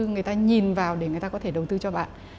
người ta nhìn vào để người ta có thể đầu tư cho bạn